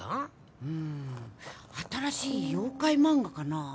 うん新しい妖怪漫画かな。